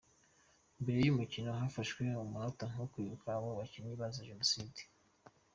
Mbere y’umukino hafashwe umunota wo kwibuka abo bakinnyi bazize Jenoside.